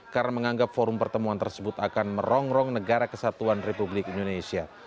karena menganggap forum pertemuan tersebut akan merongrong negara kesatuan republik indonesia